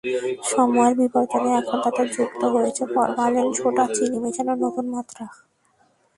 সময়ের বিবর্তনে এখন তাতে যুক্ত হয়েছে ফরমালিন, সোডা, চিনি মেশানোর নতুন মাত্রা।